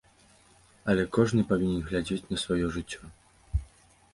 Але кожны павінен глядзець на сваё жыццё.